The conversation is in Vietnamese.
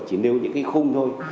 chỉ nêu những cái khung thôi